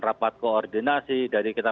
rapat koordinasi dari kita